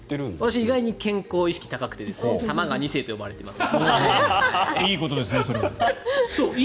私、意外に健康意識が高くて玉川２世と呼ばれています。